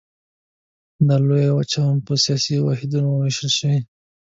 دا لویه وچه په سیاسي واحدونو ویشل شوې.